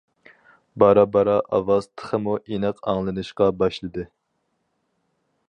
بارا- بارا ئاۋاز تېخىمۇ ئېنىق ئاڭلىنىشقا باشلىدى.